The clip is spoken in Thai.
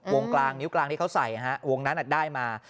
วงกลางนิ้วกลางที่เขาใส่ฮะวงนั้นได้มา